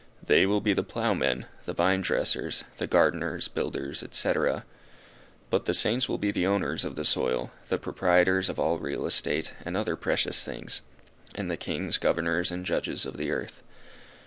They will be the ploughmen, the vine dressers, the gardeners, builders, etc. But the Saints will be the owners of the soil, the proprietors of all real estate, and other precious things; and the kings, governors, and judges of the earth.